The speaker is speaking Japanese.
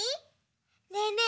ねえねえ